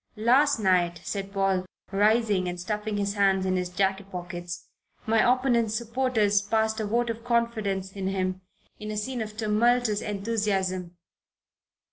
"Last night," said Paul, rising and stuffing his hands in his jacket pockets, "my opponent's supporters passed a vote of confidence in him in a scene of tumultuous enthusiasm."